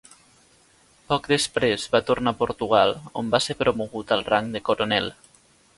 Poc després va tornar a Portugal on va ser promogut al rang de coronel.